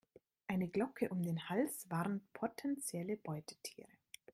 Eine Glocke um den Hals warnt potenzielle Beutetiere.